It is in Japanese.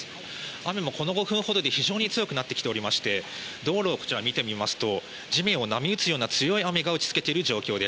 雨もこの５分ほどで非常に強くなっていまして道路を見てみますと地面を波打つような強い雨が打ち付けています。